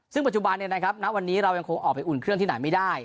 ซึ่งปัจจุบันณวันนี้เรายังคงออกไปอุ่นเครื่องที่ไหนไม่ได้